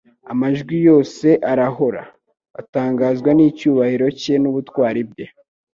Amajwi yose arahora. Batangazwa n'icyubahiro cye n'ubutwari bwe